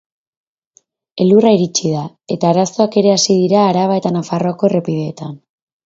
Elurra iritsi da, eta arazoak ere hasi dira Araba eta Nafarroako errepideetan.